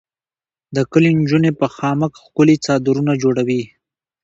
د کلي انجونې په خامک ښکلي څادرونه جوړوي.